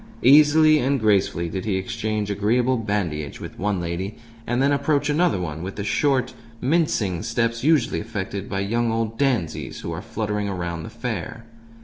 Easily and gracefully did he exchange agreeable bandinage with one lady, and then approach another one with the short, mincing steps usually affected by young old dandies who are fluttering around the fair.